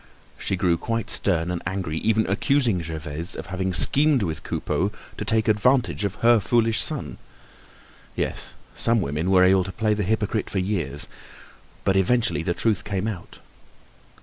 She grew quite stern and angry, even accusing Gervaise of having schemed with Coupeau to take advantage of her foolish son. Yes, some women were able to play the hypocrite for years, but eventually the truth came out.